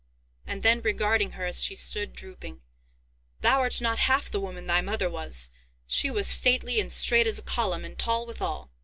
And then, regarding her, as she stood drooping, "Thou art not half the woman thy mother was—she was stately and straight as a column, and tall withal."